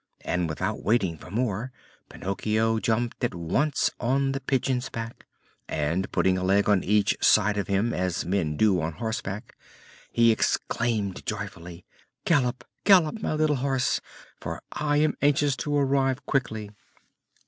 And without waiting for more Pinocchio jumped at once on the Pigeon's back and, putting a leg on each side of him as men do on horseback, he exclaimed joyfully: "Gallop, gallop, my little horse, for I am anxious to arrive quickly!"